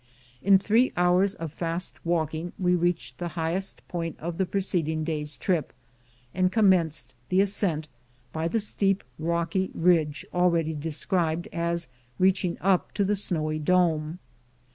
In three hours of fast walking we reached the highest point of the preceding day's trip, and commenced the ascent by the steep, rocky ridge already described as reaching up to the snowy dome.